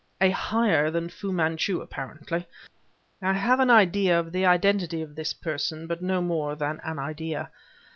"A higher than Fu Manchu, apparently. I have an idea of the identity of this person, but no more than an idea.